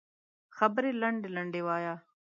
خبرې لنډې لنډې وایه